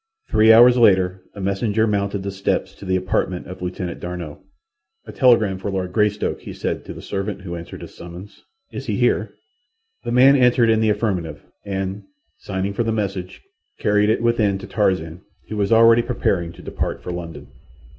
Three hours later a messenger mounted the steps to the apartment of Lieutenant D'Arnot. "A telegram for Lord Greystoke," he said to the servant who answered his summons. "Is he here?" The man answered in the affirmative, and, signing for the message, carried it within to Tarzan, who was already preparing to depart for London.